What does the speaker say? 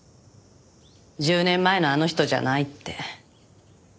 １０年前のあの人じゃないって。